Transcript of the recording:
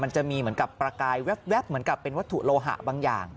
มันจะมีเหมือนกับประกายแว๊บเหมือนกับเป็นวัตถุโลหะบางอย่าง